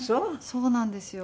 そうなんですよ。